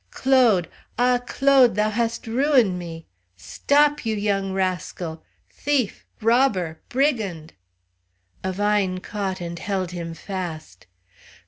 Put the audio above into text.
"Claude! Ah! Claude, thou hast ruin' me! Stop, you young rascal! thief! robber! brigand!" A vine caught and held him fast.